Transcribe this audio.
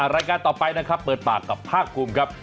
รายการต่อไปนะครับเปิดปากกับภาคภูมิครับ